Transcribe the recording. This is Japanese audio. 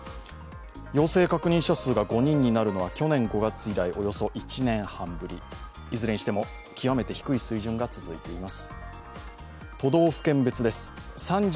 陽性確認者数が５人になるのは去年５月以来およそ１年半ぶり、いずれにしても極めて低い水準が続いています。